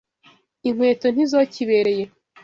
Inkweto ntizokibereye.